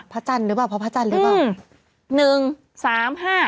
จันทร์หรือเปล่าเพราะพระจันทร์หรือเปล่า